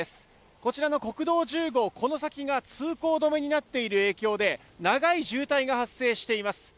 こちらの国道１０号、この先が通行止めになっている影響で、長い渋滞が発生しています。